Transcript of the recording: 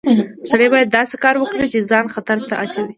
سړی باید داسې کار وکړي چې ځان خطر ته ونه اچوي